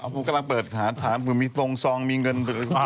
ผมกำลังเปิดค้ามีตรงซองมีเงิน